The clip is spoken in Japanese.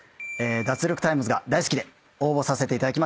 『脱力タイムズ』が大好きで応募させていただきました。